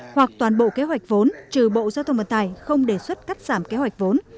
hoặc toàn bộ kế hoạch vốn trừ bộ giao thông vận tải không đề xuất cắt giảm kế hoạch vốn